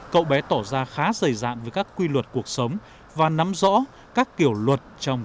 cậu bé tỏ ra khá dày dạng với các quy luật cuộc sống và nắm rõ các kiểu luật trong